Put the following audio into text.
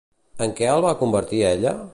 En què el va convertir ella?